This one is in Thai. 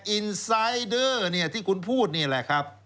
อินไซเดอร์เนี่ยที่คุณพูดนี่แหละครับ